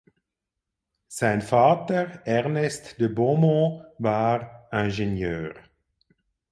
Sein Vater Ernest de Beaumont war Ingenieur.